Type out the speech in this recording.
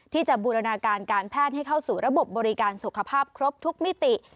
บูรณาการการแพทย์ให้เข้าสู่ระบบบริการสุขภาพครบทุกมิติ